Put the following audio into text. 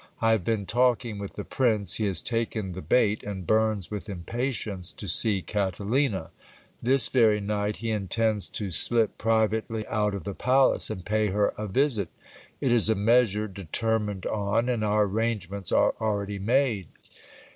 I have been talking with the prince ; he has taken the bait, and burns with impatience to see Catalina. This very night he intends to ilip privately out of the palace, and pay her a visit ; it is a measure determined on, and our arrangements are already made.